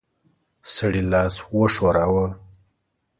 سړي لاس وښوراوه.